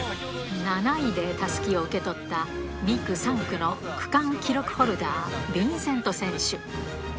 ７位でたすきを受け取った２区、３区の区間記録ホルダー、ヴィンセント選手。